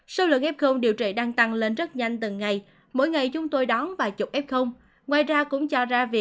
số lượng f điều trị đang tăng lên rất nhanh từng ngày mỗi ngày chúng tôi đón vài chục f